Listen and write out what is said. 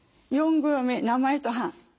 ４行目名前と判。